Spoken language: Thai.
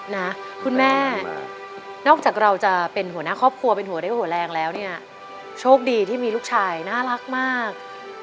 นะคุณแม่นอกจากเราจะเป็นหัวหน้าครอบครัวเป็นหัวเรี่ยวหัวแรงแล้วเนี่ยโชคดีที่มีลูกชายน่ารักมาก